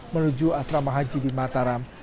menuju asrama haji di mataram